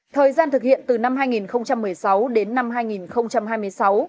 thời gian thực hiện từ năm hai nghìn một mươi sáu đến năm hai nghìn hai mươi sáu